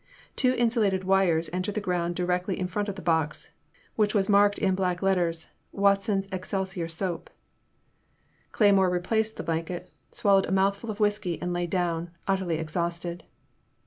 Two insulated wires entered the ground directly in front of the box, which was marked in black letters, Watson's Excelsior Soap.'* Cleymore replaced the blanket, swallowed a 215 2 16 In the Name of the Most High. mouthful of whiskey and lay down, utterly ex hausted.